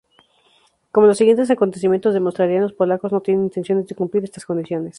Como los siguientes acontecimientos demostrarían, los polacos no tenían intenciones de cumplir estas condiciones.